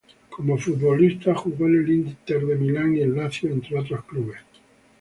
Como futbolista jugó en el Inter de Milán y el Lazio, entre otros clubes.